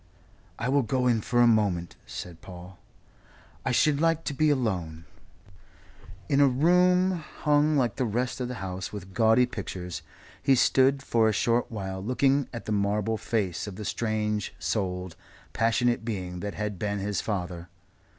"I will go in for a moment," said Paul. "I should like to be alone." In a room hung like the rest of the house with gaudy pictures he stood for a short while looking at the marble face of the strange souled, passionate being that had been his father.